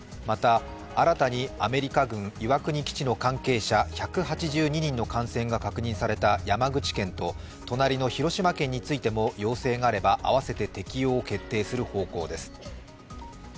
また、新たにアメリカ軍岩国基地の関係者１８２人の感染が確認された山口県と隣の広島県についても要請があればあわせて適用を決定する方向です。